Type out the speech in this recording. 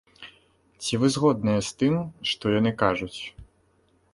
Ці вы згодныя з тым, што яны кажуць?